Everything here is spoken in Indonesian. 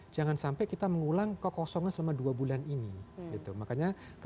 jangan sampai kita mengulang ke kosongnya